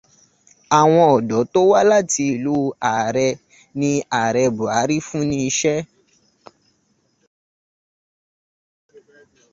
Àwọn ọ̀dọ́ tó wá láti ìlú ààrẹ ni ààrẹ Bùhárí fún ní iṣẹ́.